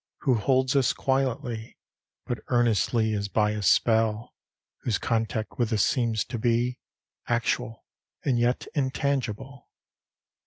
who holds us quietly But earnestly, as by a spell, Whose contact with us seems to be Actual and yet intangible.